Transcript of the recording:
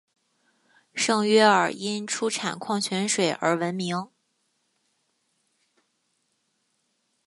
圣约尔因出产矿泉水而闻名。